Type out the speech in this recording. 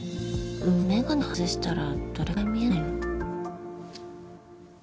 眼鏡外したらどれくらい見えないの？